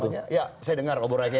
tapi sudah tidak ada lanyaranya